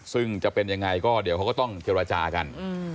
ซึ่งจะเป็นยังไงก็เดี๋ยวเขาก็ต้องเจรจากัน